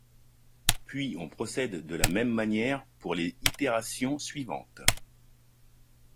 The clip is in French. Puis, on procède de la même manière pour les itérations suivantes.